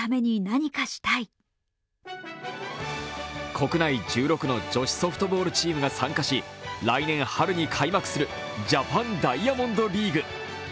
国内１６の女子ソフトボールチームが参加し、来年春に開幕するジャパンダイヤモンドリーグ。